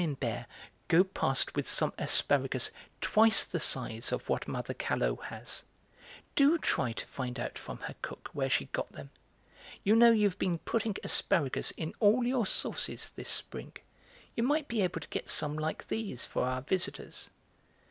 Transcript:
Imbert go past with some asparagus twice the size of what mother Callot has: do try to find out from her cook where she got them. You know you've been putting asparagus in all your sauces this spring; you might be able to get some like these for our visitors."